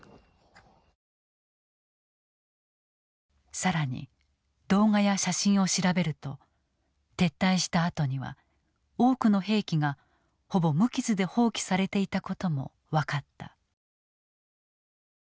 更に動画や写真を調べると撤退したあとには多くの兵器がほぼ無傷で放棄されていたことも分かった。